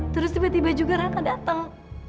terus tiba tiba juga raka datang